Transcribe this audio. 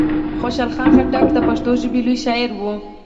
خوشحال خان خټک د پښتو ژبي لوی شاعر وو.